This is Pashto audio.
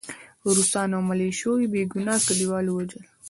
روسانو او ملیشو بې ګناه کلیوال ووژل